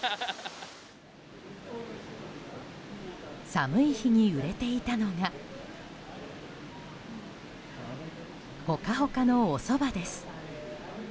寒い日に売れていたのがホカホカのおそばです。